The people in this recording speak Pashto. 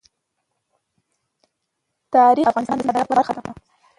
تاریخ د افغانستان د صادراتو برخه ده.